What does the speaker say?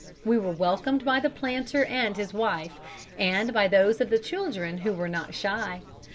We were welcomed by the planter and his wife, and by those of the children who were not shy.